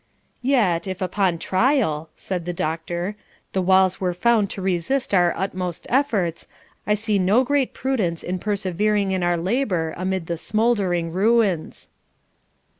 'Yet, if upon trial,' said the Doctor,' the walls were found to resist our utmost efforts, I see no great prudence in persevering in our labour amid the smouldering ruins.'